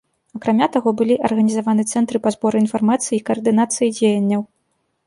Акрамя таго, былі арганізаваны цэнтры па зборы інфармацыі і каардынацыі дзеянняў.